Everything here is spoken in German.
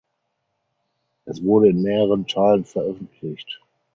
Es wurde in mehreren Teilen veröffentlicht.